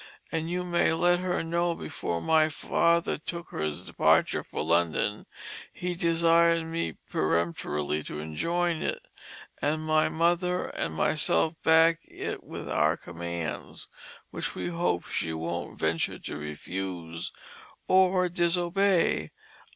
And you may let her know before my Father took his departure for London he desired me peremptorily to enjoin it, and my Mother and myself back it with our Commands, which we hope she wont venture to refuse or disobey."